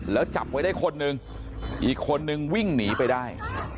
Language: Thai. แล้วจับไว้ได้คนหนึ่งอีกคนนึงวิ่งหนีไปได้